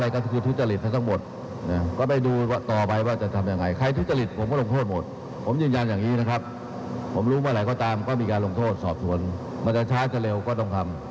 คุณผู้หมาหลายก็ตามก็มีการลงโทษสอบสวนแต่ว่าจะช้าจะเร็วก็ต้องทำ